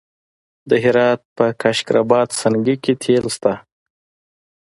د هرات په کشک رباط سنګي کې تیل شته.